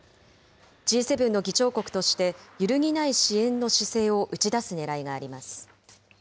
Ｇ７の議長国として、揺るぎない支援の姿勢を打ち出すねらいがあ